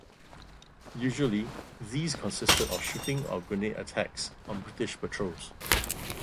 Usually, these consisted of shooting or grenade attacks on British patrols.